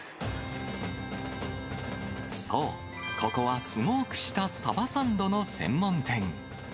そう、ここはスモークしたサバサンドの専門店。